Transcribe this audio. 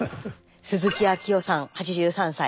鈴木昭郎さん８３歳。